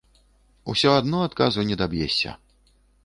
Усё адно адказу не даб'ешся.